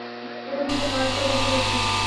ওটা কিসের নড়াচড়া দেখা যাচ্ছে?